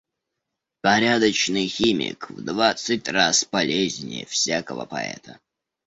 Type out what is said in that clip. Порядочный химик в двадцать раз полезнее всякого поэта.